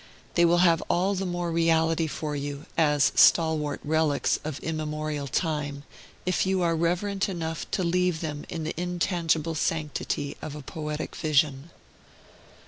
They will have all the more reality for you, as stalwart relics of immemorial time, if you are reverent enough to leave them in the intangible sanctity of a poetic vision.